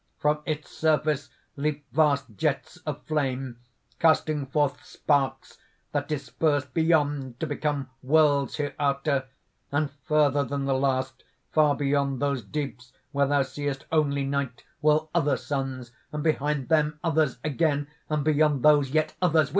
From its surface leap vast jets of flame, casting forth sparks that disperse beyond to become worlds here after; and further than the last, far beyond those deeps where thou seest only night, whirl other suns, and behind them others again, and beyond those yet others